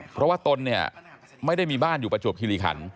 เพราะว่าตนเนี่ยไม่ได้มีบ้านอยู่ประจวบคิริขัน